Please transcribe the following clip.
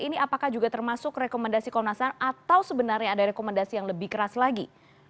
ini apakah juga termasuk rekomendasi komnas ham atau sebenarnya ada rekomendasi yang lebih keras lagi